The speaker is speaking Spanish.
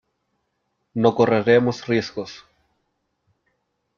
no correremos riesgos .